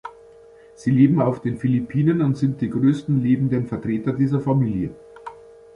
Sie leben auf den Philippinen und sind die größten lebenden Vertreter dieser Familie.